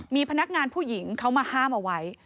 มีพนักงานผู้หญิงเขามาห้ามเอาไว้